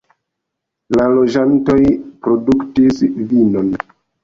La loĝantoj produktis vinon.